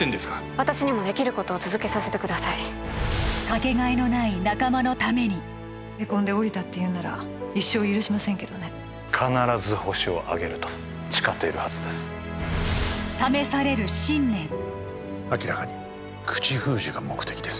私にもできることを続けさせてくださいへこんで降りたっていうんなら一生許しませんけどね必ずホシをあげると誓っているはずです明らかに口封じが目的です